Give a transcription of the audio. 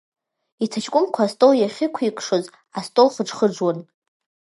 Иҭаҷкәымқәа астол иахьықәикшоз, астол хыџхыџуан.